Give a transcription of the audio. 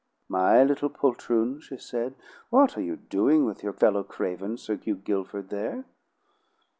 "My little poltroons," she said, "what are you doing with your fellow craven, Sir Hugh Guilford, there?"